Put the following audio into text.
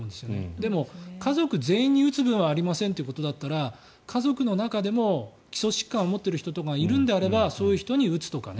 でも、家族全員に打つ分はありませんということだったら家族の中でも基礎疾患を持ってる人とかがいるのであればそういう人に打つとかね。